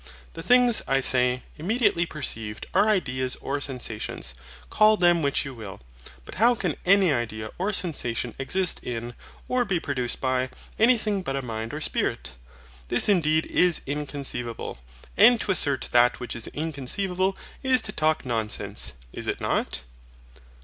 The things, I say, immediately perceived are ideas or sensations, call them which you will. But how can any idea or sensation exist in, or be produced by, anything but a mind or spirit? This indeed is inconceivable. And to assert that which is inconceivable is to talk nonsense: is it not?